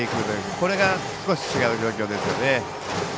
これが少し違う状況ですよね。